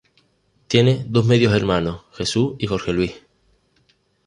Tiene dos medios hermanos: Jesús y Jorge Luis.